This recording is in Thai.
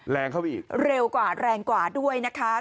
แรงเข้าไปอีกเร็วกว่าแรงกว่าด้วยนะคะ